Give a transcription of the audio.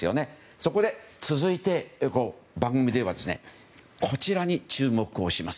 そこで、続いて番組ではこちらに注目します。